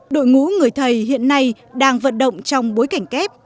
đội ngũ người thầy hiện nay đang vận động trong bối cảnh kép